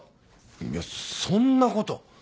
いやそんなこと。